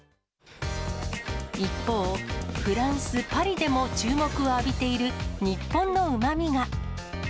一方、フランス・パリでも注目を浴びている日本のうまみが。